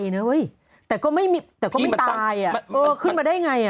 ว่าเฟ้ยเตะก็ไม่มีแต่ก็ไม่ตายอะเออขึ้นมาได้ไงอ่ะ